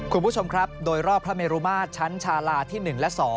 คุณผู้ชมครับโดยรอบพระเมรุมาตรชั้นชาลาที่๑และ๒